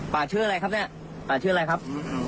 ชื่ออะไรครับเนี่ยป่าชื่ออะไรครับ